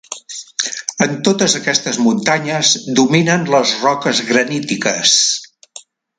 En totes aquestes muntanyes dominen les roques granítiques.